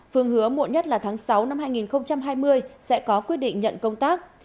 phương hứa muộn nhất là tháng sáu năm hai nghìn hai mươi sẽ có quyết định nhận công tác